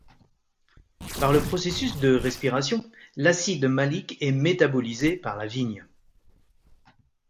Par le processus de respiration, l'acide malique est métabolisé par la vigne.